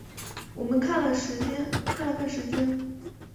我们看了看时间